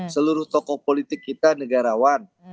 seluruh tokoh politik kita negarawan